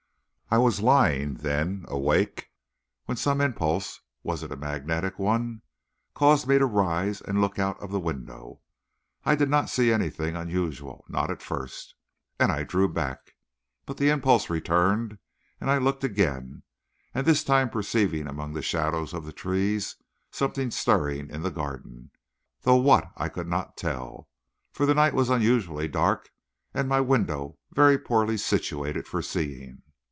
I was lying, then, awake, when some impulse was it a magnetic one? caused me to rise and look out of the window. I did not see anything unusual not at first and I drew back. But the impulse returned, and I looked again, and this time perceived among the shadows of the trees something stirring in the garden, though what I could not tell, for the night was unusually dark, and my window very poorly situated for seeing.